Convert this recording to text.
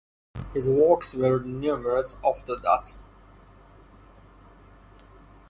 His works were numerous after that.